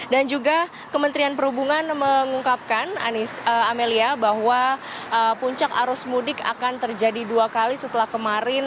dan juga kementerian perhubungan mengungkapkan amelia bahwa puncak arus mudik akan terjadi dua kali setelah kemarin